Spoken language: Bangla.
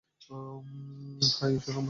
হায় ইশ্বর, আমার তো লেজ নেই!